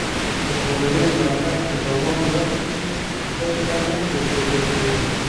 که کورنۍ ملاتړ ته دوام ورکړي، زده کړه نه پرېښودل کېږي.